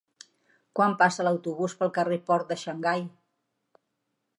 Quan passa l'autobús pel carrer Port de Xangai?